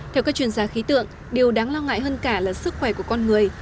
theo các chuyên gia khí tượng điều đáng lo ngại hơn cả là sức khỏe của con người